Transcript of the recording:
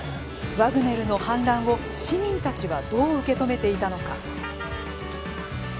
ワグネルの反乱を市民たちはどう受け止めていたのか。